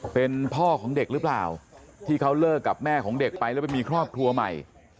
เป็นพ่อของเด็กหรือเปล่าที่เขาเลิกกับแม่ของเด็กไปแล้วไปมีครอบครัวใหม่